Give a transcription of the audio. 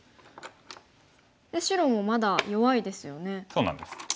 白もまだ弱いですよね。